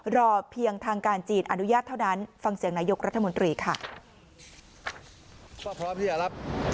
รอเพียงทางการจีนอนุญาตเท่านั้นฟังเสียงนายกรัฐมนตรีค่ะ